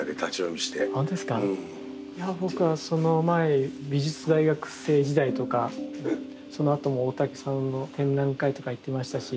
いや僕はその前美術大学生時代とかそのあとも大竹さんの展覧会とか行ってましたし。